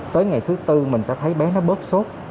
tới ngày thứ tư mình sẽ thấy bé nó bớt sốt